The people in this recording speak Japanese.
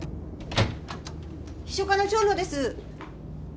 秘書課の蝶野です。